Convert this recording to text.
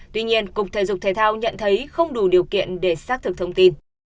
tuy nhiên cục thể dục thể thao nhận thấy không đủ điều kiện để xác thực thông tin